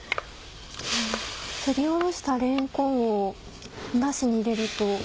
すりおろしたれんこんをだしに入れると。